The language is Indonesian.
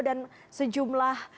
dan ini juga melukakan pelalunya